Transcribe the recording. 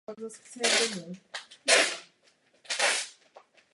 Nejvíce se proslavil rolemi v nichž hrál postavu amerického zpěváka Michaela Jacksona.